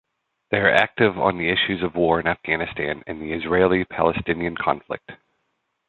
They are active on the issues of War in Afghanistan and the Israeli-Palestinian conflict.